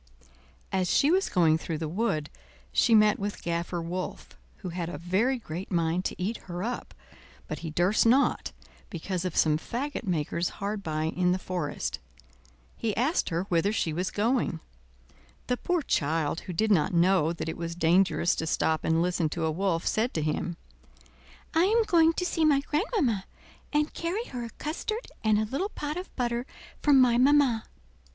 As she was going through the wood she met with Gaffer Wolf, who had a very great mind to eat her up, but he durst not, because of some fagot makers hard by in the forest. He asked her whither she was going. The poor child, who did not know that it was dangerous to stop and listen to a wolf, said to him: "I am going to see my grandmamma and carry her a custard and a little pot of butter from my mamma."